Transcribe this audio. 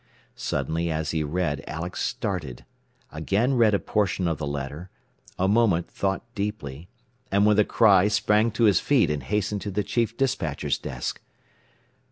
Suddenly as he read Alex started, again read a portion of the letter, a moment thought deeply, and with a cry sprang to his feet and hastened to the chief despatcher's desk.